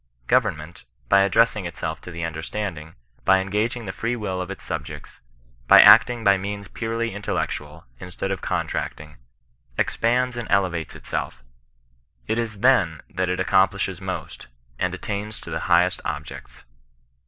Government, by addressing itself to the imderstanding, by engaging the free will of its subjects, by acting by means purely intellectual, instead of contracting, ex pands and elevates itself; it is then that it accomplishes most, and attains to the greatest objects.